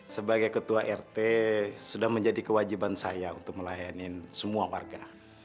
sebagai ketua rt sudah menjadi kewajiban saya untuk melayani semua warga